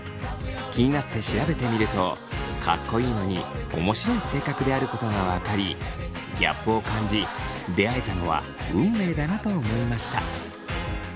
気になって調べてみるとかっこいいのに面白い性格であることが分かりギャップを感じ出会えたのは運命だなと思いました。